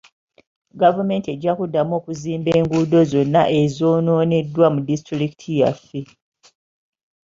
Gavumenti ejja kuddamu okuzimba enguudo zonna ezoonooneddwa mu disitulikiti yaffe